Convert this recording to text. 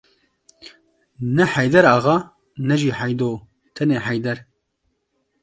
Ne Heyder axa, ne jî Heydo; tenê Heyder.